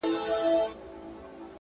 هر منزل له ثبات سره نږدې کېږي!